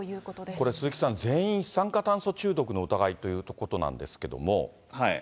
これ、鈴木さん、全員、一酸化炭素中毒の疑いということなんですけれども。